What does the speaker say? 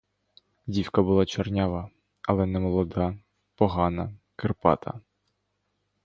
Дівка була чорнява, але немолода, погана, кирпата.